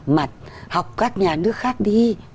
mà học các nhà nước khác đi